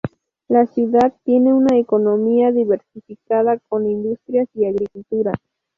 La ciudad tiene una economía diversificada, con industrias y agricultura.